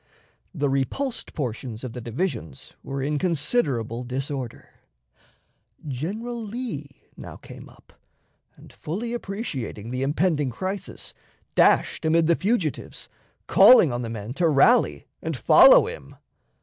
The repulsed portions of the divisions were in considerable disorder. General Lee now came up, and, fully appreciating the impending crisis, dashed amid the fugitives, calling on the men to rally and follow him.